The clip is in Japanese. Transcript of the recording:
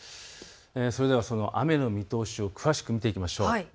それではその雨の見通しを詳しく見ていきましょう。